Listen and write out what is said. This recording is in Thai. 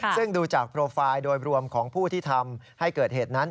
ซึ่งดูจากโปรไฟล์โดยรวมของผู้ที่ทำให้เกิดเหตุนั้น